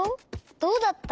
どうだった？